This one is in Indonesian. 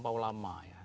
sudah terlampau lama ya